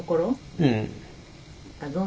うん。